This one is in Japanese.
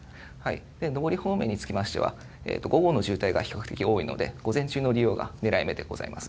上り方面につきましては、午後の渋滞が比較的多いので、午前中の利用がねらい目でございます。